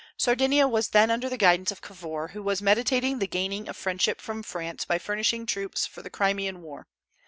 Sardinia was then under the guidance of Cavour, who was meditating the gaining of friendship from France by furnishing troops for the Crimean war.